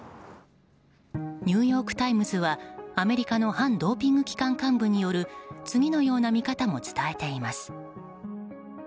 ニューヨーク・タイムズはアメリカの反ドーピング機関幹部による次のような見方も伝えています。